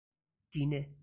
گینه